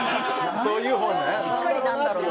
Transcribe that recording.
しっかり「なんだろうな」。